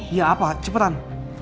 iya apa cepetan